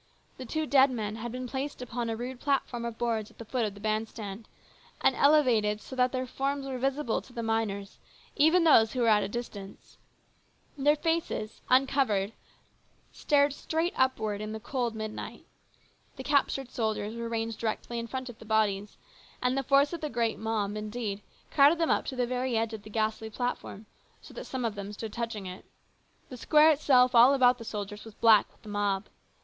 The two dead men had been placed upon a rude platform of boards at the foot of the band stand, and elevated so that their forms were A MEMORABLE NIGHT. 153 visible to the miners, even those who were at a distance. Their faces, uncovered, stared straight upward in the cold midnight. The captured soldiers were ranged directly in front of the bodies, and the force of the great mob, indeed, crowded them up to the very edge of the ghastly platform so that some of them stood touching it. The square itself all about the soldiers was black with the mob.